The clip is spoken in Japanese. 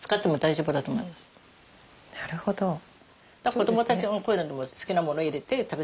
子どもたちもこういうのでも好きなもの入れて食べさせたり。